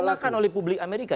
tidak dimakan oleh publik amerika